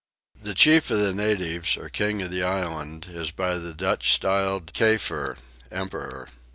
The chief of the natives, or king of the island, is by the Dutch styled Keyfer (Emperor).